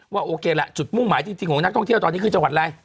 โอเคล่ะจุดมุ่งหมายจริงของนักท่องเที่ยวตอนนี้คือจังหวัดอะไร